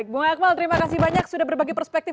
bung akmal terima kasih banyak sudah berbagi perspektif